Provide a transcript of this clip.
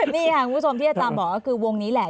นี่ค่ะคุณผู้ชมที่อาจารย์บอกก็คือวงนี้แหละ